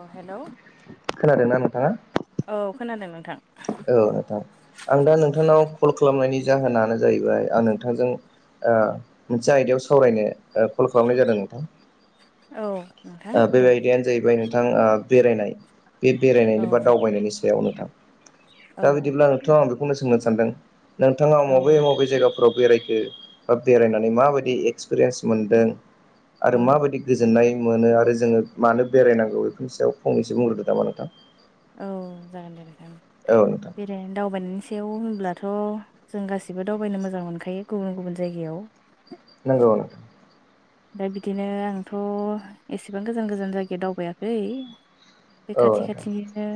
अ hello खोनादोना नोंथाङा औ खोनादों नोंथां औ नोंथां आं दा नोंथांनाव कल खालामनायनि जाहोनानो जाहैबाय आं नोंथांजों ओ मोनसे आयदायाव सावरायनो ओ कल खालामनाय जादों नोंथां। औ नोंथां आ बे दे आयदायानो जाहैबाय नोंथां आ बेरायनाय बे औ बेरायनायनि बा दावबायनायनि सायाव नोंथां। औ दा नोंथां बिदिब्ला नोंथाङा आं बेखौनो सोंनो सानदों नोंथाङा मबे मबे जायगाफोराव बेरायखो बा बेरायनानै माबायदि एक्सपिरियेन्स मोनदों आरो औ माबायदि गोजोन्नाय मोनो आरो जोंङो मानो बेरायनांगौ बेफोरनि सायाव फंनैसो बुंग्रोदो नामा नोंथां औ जागोन दे नों थां। औ नोंथां बेरायनाय दावबायनायनि सायाव होनब्लाथ' जों गासिबो दावबायनो मोजां मोनखायो गुबुन गुबुन जायगायाव नंगौ नोंथां ओमफ्राय बिदिनो आंथ' एसेबां गोजान गोजान जायगायाव दावबायाखै बे औ खाथि नोंथां खाथिनिनो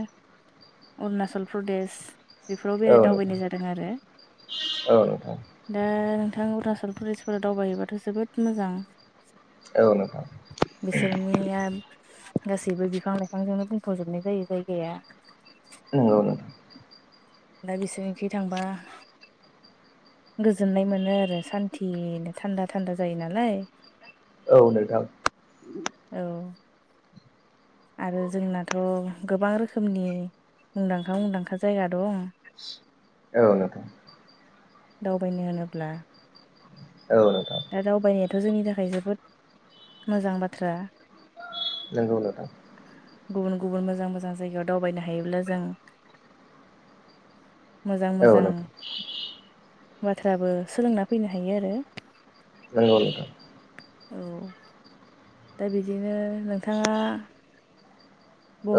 अरनाचल प्रदेस बेफोराव औ बेराय नोंथां दावबायनाय जादों आरो औ नोंथां दा नोंथां अरुणाचल प्रदेशफोराव दावबायोबाथ' जोबोद मोजां औ नोंथां बिसोरनिया गासैबो बिफां लाइफांजोंनो बुंफ'जोबनाय जायो जायगाया। नोंगौ नोंथां दा बिसोरनिखि थांबा गोजोननाय मोनो आरो सान्थियैनो थान्दा थान्दा जायो नालाय। औ नोंथां औ आरो जोंनाथ' गोबां रोखोमनि मुंदांखा मुंदांखा जायगा दं। औ नोंथां दावबायनो होनोब्ला औ नोंथां दा दावबायनायाथ' जोंनि थाखाय जोबोद मोजां बाथ्रा नोंगौ नोंथां गुबुन गुबुन मोजां मोजां जायगायाव दावबायनो हायोब्ला जों मोजां औ मोजां नोंथां बाथ्राबो सोलोंना फैनो हायो आरो नोंगौ नोंथां औ दा बिदिनो नोंथाङा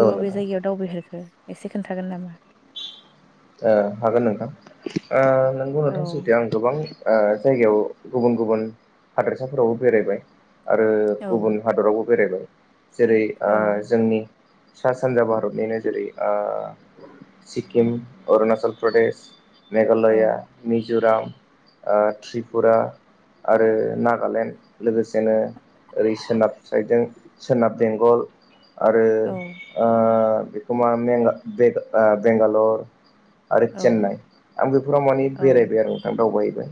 औ बबे नोंथां जायगायाव दावबायहेरखो एसे खोन्थागोन नामा? ओ हागोन नोंथां आ नोंगौ औ नोंथां सैथो आं गोबां आ जायगायाव गुबुन गुबुन हादोरसाफोरावबो बेरायबाय आरो औ गुबुन हादरावबो बेरायबाय जेरै औ आ जोंनि सा सानजा भारतनिनो जेरै आ सिक्किम अरुणाचल प्रदेश औ मेघालया मिज'राम आ त्रिपुरा आरो नागालेण्ड लोगोसेनो ओरै सोनाब साइडजों सोनाब बेंगल आरो औ आ बेखौमा बेंगा बेंगालर आरो औ चेन्नाइ आं मानि औ बेरायबाय आरो नोंथां दावबायहबाय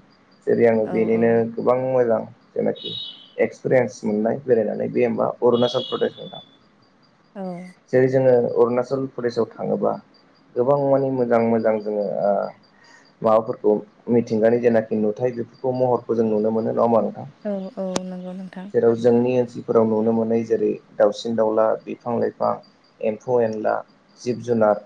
जेरै औ बेनिनो गोबां मोजां जेनाखि एक्सपिरियेन्स मोननाय बेरायनानै बे होमबा अरुणाचल प्रदेश होन दां [inaudible] ओ जेरै जोङो अरुणाचल प्रदेशआव थाङोबा गोबां मानि मोजां मोजां जोङो आ माबाफोरखौ मिथिंगानि जेनाखि नुथाय बेफोरखौ महरखौ जों नुनो मोनो नङा होमबा नोंथां? औ औ नंगौ नोंथां जेराव जोंनि ओनसोलफोराव नुनो मोनै जेरै दाउसिन दाउला बिफां लाइफां एम्फौ एनला जिब जुनार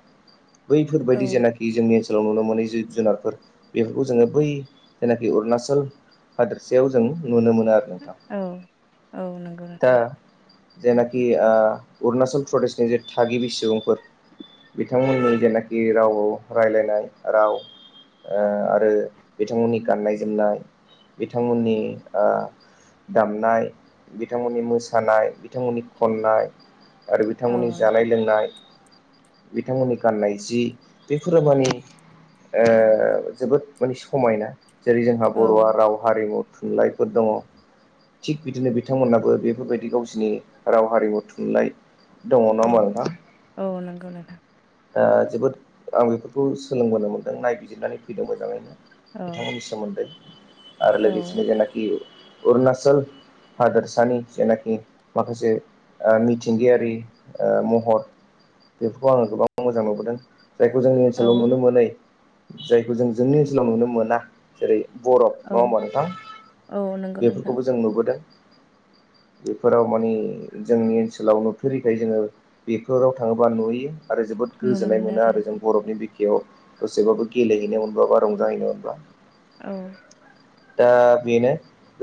औ बैफोरबायदि जेखि जोंनि ओनसोलाव नुनो मोनै जिब जुनारफोर बेफोरखौ जोङो बै जायनाखि अरुणाचल हादोरसेायाव जों नुनो मोनो आरो नोंथां औ औ नंगौ नोंथां जायनाखि ओ अरुणाचल प्रदेशनि जे थागिबि सुबुंफोर बिथांमोननि जेनाखि राव खौ रायलायनाय राव ओ आरो बिथांमोननि गाननाय जोमनाय बिथांमोननि आ दामनाय बिथांमोननि मोसानाय बिथांमोननि खननाय आरो औ बिथांमोननि जानाय नोंथां लोंनाय बिथांमोननि गाननाय जि बेफोरो माने ओ जोबोद माने समायना जेरै जोंहा औ बर'आ राव हारिमु थुनलाइफोर दङ थिग बिदिनो बिथांमोनहाबो बेफोरबायदि गावसिनि राव हारिमु थुनलाइ दङ औ नङा होनबा नोंथां औ नंगौ नोंथां आ जोबोद आं बेफोरखौ सोलोंबोनो मोन्दों नायबिजिरनानै फैदों मोजाङैनो औ बिथांमोननि सोमोन्दै आरो औ लोगोसेनो जेनाखि अरुनाचल हादोरसानि जेनाखि माखासे ओ मिथिंगायारि आ महर बेफोरखौ आङो गोबां मोजां नुबोदों जायखौ जोंनि औ ओनसोलाव नुनो मोनै जायखौ जों जोंनि ओनसोलाव नुनो मोना जेरै बरफ औ नङा होमबा नोंथां औ नंगौ नोंथां बेफोरखौबो जों नुबोदों बेफोराव माने जोंनि ओनसोलाव नुफेरैखाय जोङो बेफोराव थाङोबा नुयो आरो जोबोद गोजोननाय मोनो आरो जों बरफनि बिखायाव दसेबाबो गेलेहैनो मोनबा बा रंजाहैनो मोनबा औ दा बेनो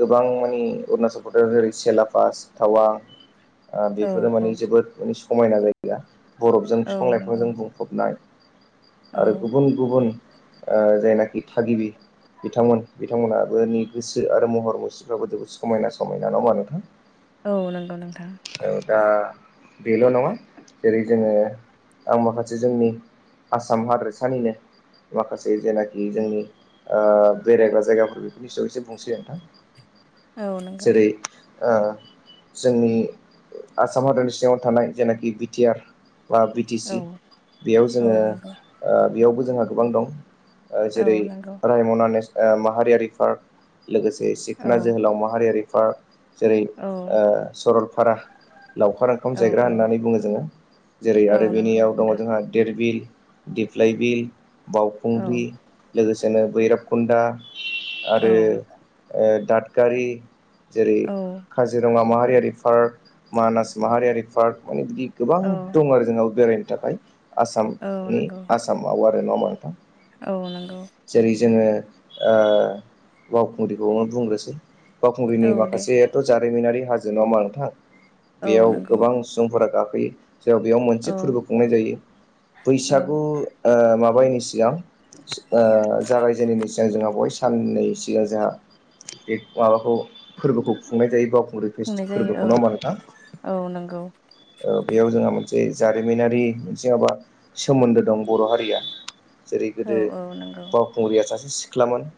गोबां माने अरुणचल प्रदेश जेरै सेलापास टावां ओ औ बेफोरो औ माने जोबोद माने समायना जायगा बरफजों औ नंगौ लाइफांजों बुंफबनाय औ आरो गुबुन गुबुन ओ जायनाखि थागिबि बिथांमोन बिथांमोनाबोनि गोसो आरो महर मुस्रिफ्राबो जोबोद समायना समायना नङा होनबा नोंथां? औ नोंगौ नोंथां। औ दा बेल' नङा जेरै जोङो आं माखासे जोंनि आसाम हादोरसानिनो माखासे जेनाखि जोंनि ओ बेरायग्रा जायगाफोर बेफोरनि सायाव एसे बुंनोसै औ नोंथां नंगौ जेरै ओ जोंनि आसाम हादरनि सिङाव थानाय जेनाखि बि टि आर बा बि टि औ सि बेयाव औ जोङो नंगौ ओ बेयावबो जोंहा गोबां दं औ जेरै नंगौ रायम'ना नेसन ओ माहारियारि पार्क लोगोसे औ सिखना जोहोलाव माहारियारि फार्क जेरै औ सरलपारा लावखार ओंखाम औ जाहैग्रा औ होननानै बुङो जोङो जेरै औ आरो नंगौ नोंथां धीर बिल, दिेफ्लाय बिल, औ बाउखुंग्रि लोगोसेनो भैरबखुन्दा औ आरो ओ दादगारि जेरै औ काजिरङा माहारियारि पार्क, मानास माहारियारि पार्क माने बिदि गोबां औ दं आरो जोंनाव बेरायनो थाखाय औ आसामनि नंगौ आ दंबावो आरो नङा होनबा नोंथां? औ नंगौ। जेरै जोङो ओ बाउखुंग्रिखौनो बुंग्रोनोसै। औ बाउखुंग्रिनि दे माखासेयाथ' जारिमिनारि हाजो नडा होमबा नोंथां? औ बेयाव नंगौ गोबां सुबुंफोरा गाखोयो जेराव बेयाव मोन औ फोरबो खुंनाय जायो औ बैसागु ओ माबायैनि सिगां ओ जागायजेनिनि सिगां जोंहा बेवहाय साननै सिगां जोंहा बे माबाखौ फोरबोखौ खुंनाय जायो बाउखुंग्रि खुंनाय फेसथि जायो फोरबोखौ नङा होनबा नोंथां? औ नंगौ। औ बेयाव जोंहा मोनसे जारिमिनारि मोनसे हाबा सोमोन्दो दं बर' हारिया जेरै औ गोदो औ नंगौ बाउखुंग्रिया सासे सिख्लामोन।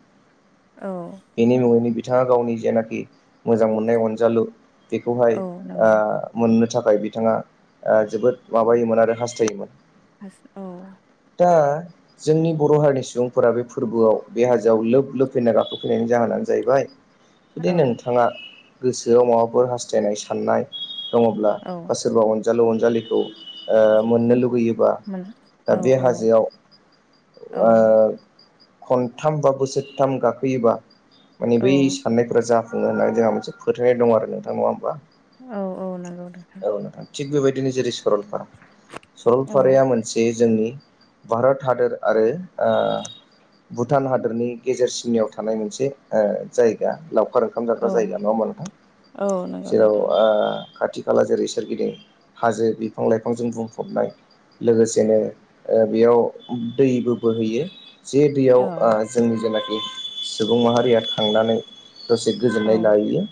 औ। बेनि मुङैनो बिथाङा गावनि जेनाखि मोजां मोननाय अनजालु बेखौहाय औ नंगौ ओ मोननो थाखाय बिथाङा ओ जोबोद माबायोमोन आरो हास्थायोमोन। हास औ। दा जोंनि बर' हारिनि सुबुंफोरा बे फोरबोआव बे हाजोआव लोब लोब फैना गाखोफैनायनि जाहोनानो जाहैबाय जुदि औ नोंथाङा गोसोआव माबाफोर हास्थायनाय साननाय दङब्ला औ बा सोरबा अनजालु अनजालिखौ ओ मोननो लुगैयो बा मोन दा औ बे औ हाजोआव औ ओ खनथाम बा बोसोरथाम गाखोयोबा माने औ बै साननायफोरा जा फुङो होननानै जोंहा मोनसे फोथायनाय दं आरो नोंथां नङा होमबा? औ औ नंगौ नोंथां। थिग बेबायदिनो जेरै सरलपारा औ सरलपाराया मोन से जोंनि भारत हादोर आरो ओ भुटान हादोरनि गेजेर सिमनायाव थानाय मोनसे ओ जायगा लावखार ओंखाम जाग्रा औ जायगा नङा होमबा नोंथां औ नंगौ जेराव नोंथां ओ खाथि खाला जेरै सोरगिदिं हाजो बिफां लाइफांजों बुंफबनाय लोगोसेनो ओ बेयाव दैबो बोहैयो। जे दैयाव औ ओ जोंनि जेनाखि सुबुं माहारिया थांनानै दसे औ गोजोननाय लाहैयो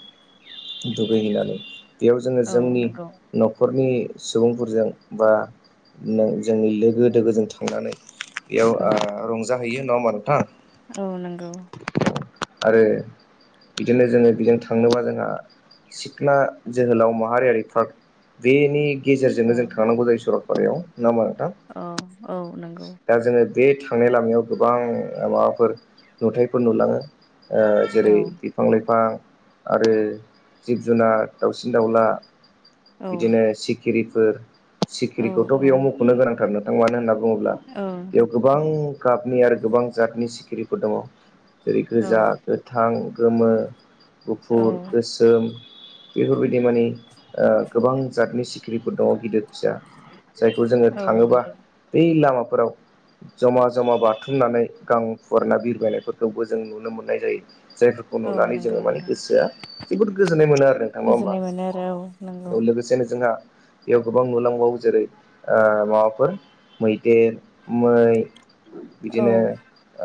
दुगैहैनानै बेयाव जोङो औ जोंनि नंगौ न'खरनि सुबुंफोरजों बा नो जोंनि लोगो दोगोजों थांनानै बेयाव औ ओ रंजाहैयो नङा होमबा नोंथां? औ नंगौ आरो बिदिनो जोङो बिजों थांनोबा जोंहा सिख्ना जोहोलाव माहारियारि पार्क बेनि औ गेजेरजोंनो जों थांनांगौ जायो सरलपारायाव नङा होनबा नोंथां? औ औ नंगौ दा जोङो बे थांनाय लामायाव गोबां माबाफोर नुथाइफोर नुलाङो आ औ जेरै बि बिफां लाइफां आरो जिब जुनार, दाउसिन दाउला औ बिदिनो सिखिरिफोर औ सिखिरिखौथ' औ बेयाव मुख'नो गोनांथार नोंथां मानो होनना बुङोब्ला बेयाव गोबां गाबनि आरो गोबां जातनि सिखिरिफोर दङ जेरै गोजा गोथां, गोमो औ गुफुर, गोसोम बेफोर बादि मानि ओ गोबां जातनि सि ख्रिफोर दङ गिदिर फिसा जायखौ जोङो औ थाङोबा नंगौ बै लामाफोराव जमा जमा बाथुमनानै गां फुवारना बिरबायनायफोरखौबो जों नुनो मोननाय जायो। जायफोरखौ औ नुनानै नंगौ जोङो माने नोंथां गोसोआ जोबोद गोजोननाय मोनो आरो नोंथां नङा होमबा? गोजोननाय मोनो आरो औ नंगौ लोगोसेनो जोंहा बेयाव गोबां नुलांबावो जेरै ओ माबाफोर मैदेर मै औ बिदिनो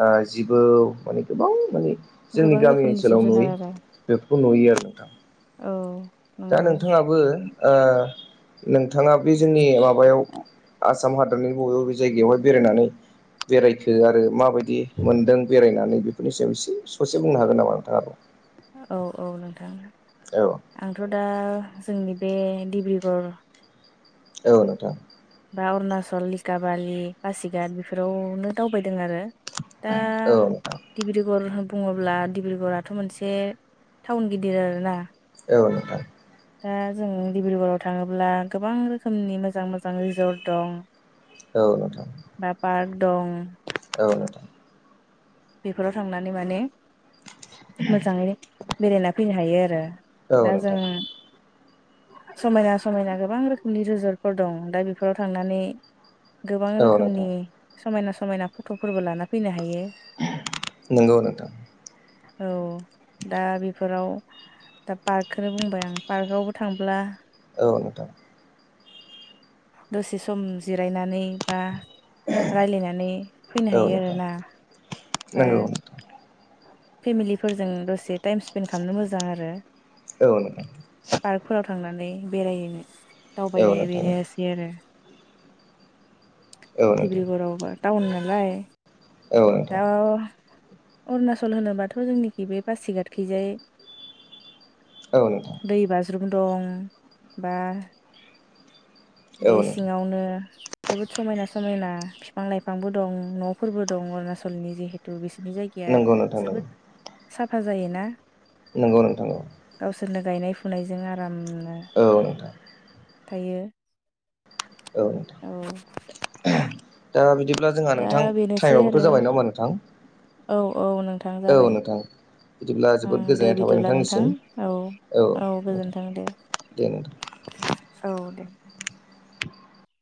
ओ जिबौ माने गोबां माने जोंनि गोबां गामि रोखोमनि जिब ओनसोलाव जुनार नुयि आरो बेफोरखौ नुयो आरो नोंथां। औ दा नंगौ नोंथाङाबो ओ नोंथाङा बे जोंनि माबायाव आसाम हादोरनि बबे बबे जायगायावहाय बेरायनानै बेरायखो आरो मा बायदि मोन्दों बेरायनानै बेफोरनि सायाव एसे ससे बुंनो हागोन नामा नोंथाङा? औ औ नोंथां औ आंथ' दा जोंनि बे डिब्रुगर औ नोंथां बा अरुणाचल लिकाबालि पासिघाट बेफोरावनो दावबायदों आरो दा औ नोंथां डिब्रुगड़ बुङोब्ला डिब्रुगराथ' मोनसे टाउन गिदिर आरो ना औ नोंथां दा जों डिब्रुगर आव थाङोब्ला गोबां रोखोमनि मोजां मोजां रिजर्ट दं। औ नोंथां बा पार्क दं औ नोंथां। बेफोराव थांनानै माने मोजाङै बेरायना फैनो हायो आरो औ दा नोंथां जों समायना समायना गोबां रोखोमनि रिजर्टफोर दं दा बेफोराव थांनानै गोबां औ नोंथां रोखोमनि समायना समायना फट'फोरबो लाना फैनो हायो। नंगौ नोंथां। औ दा बेफोराव दा पार्कखौनो बुंबाय आं पार्कआवबो थांब्ला औ नोंथां। दसे सम जिरायनानै बा रायलायनानै फैनो औ हायो नोंथां आरोना। बा नंगौ। फेमिलिफोरजों दसे टाइम स्पेन्ड खालामनो मोजां आरो। औ नोंथां पार्कफोराव थांनानै बेराय औ दावबायनाया नोंथां बेनो आरो औ नोंथां डब्रुगरआव टाउन नालाय औ दा नोंथां अरुणाचल होनोबाथ' जोंनिखि बे बासिघाटथखैजाय औ नोंथां। दै बाज्रुम दं बा बे औ नोंथां सिङावनो जोबोद समायना समायना फिफां लाइफांबो दं न'फोरबो दं अरुणाचलनि जिहेतु बिसोरनि जायगायाव गाया नंगौ नोंथां नंगौ जोबोद साफा जायोना नंगौ नोंथां औ। गावसोरनो गायनाय फुनायजों आरामनो औ नोंथां। थायो। औ नोंथां [inaudible] दा बिदि अब्ला जोंहा दा नोंथां बेनोसै आरो टाइमाबोथ' जाबाय नङा होनबा नोंथां। औ औ नों औ नोंथां। बिदिब्ला जोबोद उम दे गोजोननाय थाबाय बिदिब्ला नोंथां नोंथांनिसिम औ औ गोजोनथों दे दे नोंथां औ दे।